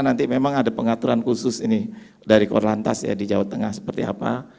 nanti memang ada pengaturan khusus ini dari korlantas ya di jawa tengah seperti apa